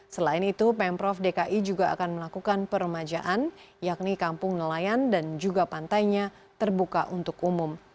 selain itu pemprov dki juga akan melakukan peremajaan yakni kampung nelayan dan juga pantainya terbuka untuk umum